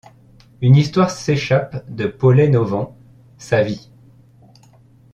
Une histoire s’échappe de Pollen au Vent : sa vie.